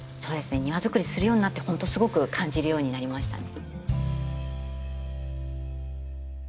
庭づくりするようになって本当すごく感じるようになりましたね。